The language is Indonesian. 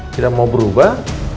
tidak mau berubah